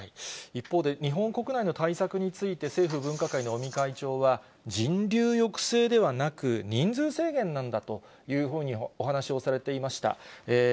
一方で日本国内の対策について政府分科会の尾身会長は、人流抑制ではなく、人数制限なんだというふうにお話しをされていました。